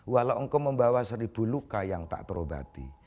walau engkau membawa seribu luka yang tak terobati